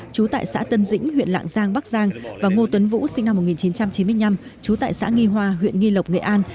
chú tại xã tân dĩnh huyện lạng giang bắc giang và ngô tuấn vũ sinh năm một nghìn chín trăm chín mươi năm trú tại xã nghi hoa huyện nghi lộc nghệ an